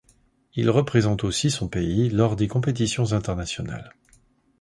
Il représente aussi son pays lors des compétitions internationales.